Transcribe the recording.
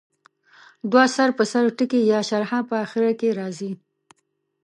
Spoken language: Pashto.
دوه سر په سر ټکي یا شارحه په اخر کې راځي.